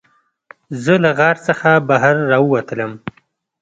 زه له غار څخه بهر راووتلم.